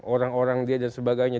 orang orang dia dan sebagainya